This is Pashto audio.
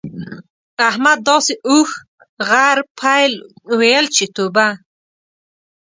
احمد داسې اوښ، غر، پيل؛ ويل چې توبه!